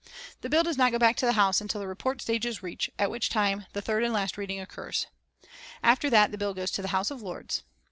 The bill does not go back to the House until the report stage is reached, at which time the third and last reading occurs. After that the bill goes to the House of Lords.